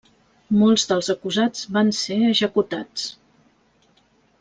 Molts dels acusats van ser executats.